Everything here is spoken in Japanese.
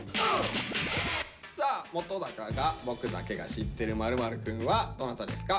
本が「僕だけが知ってる○○くん」はどなたですか？